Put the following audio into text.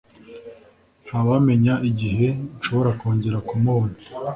Ntawamenya igihe nshobora kongera kumubona.